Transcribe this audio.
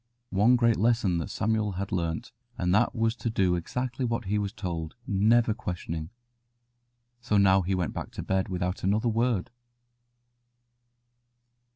'" One great lesson Samuel had learnt, and that was to do exactly what he was told, never questioning. So now he went back to bed without another word.